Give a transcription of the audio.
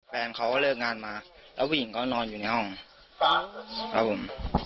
แฟนเขาเลิกงานแล้ววิ่งเขานอนอยู่ในห้องครับผม